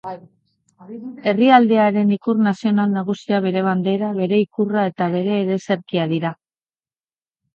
Herrialdearen ikur nazional nagusiak bere bandera, bere ikurra eta bere ereserkia dira.